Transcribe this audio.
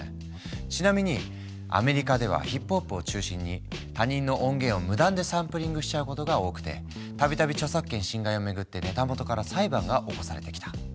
ちなみにアメリカではヒップホップを中心に他人の音源を無断でサンプリングしちゃうことが多くて度々著作権侵害を巡ってネタ元から裁判が起こされてきた。